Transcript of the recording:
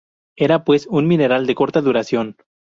Era pues, un mineral de corta duración.